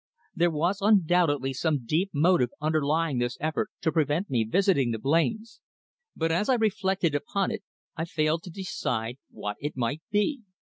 There was undoubtedly some deep motive underlying this effort to prevent me visiting the Blains, but as I reflected upon it I failed to decide what it might be.